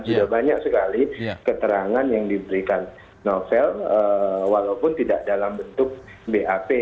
sudah banyak sekali keterangan yang diberikan novel walaupun tidak dalam bentuk bap